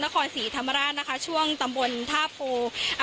นครศรีธรรมราชนะคะช่วงตำบลท่าโพอ่า